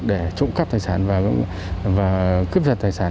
để trộm cắp tài sản và cướp giật tài sản